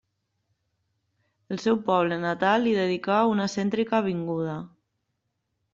El seu poble natal li dedicà una cèntrica avinguda.